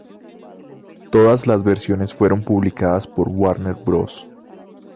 Todas las versiones fueron publicadas por Warner Bros.